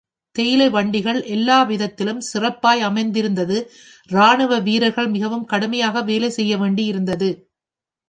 தேயிலை வண்டிகள் எல்லாவிதத்திலும் சிறப்பாய் அமைந்திருந்தது இராணுவ வீரர்கள் மிகவும் கடுமையாக வேலை செய்ய வேண்டியதிருந்தது.